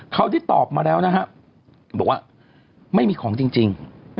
เขาได้ตอบมาแล้วนะครับบอกว่าไม่มีของจริง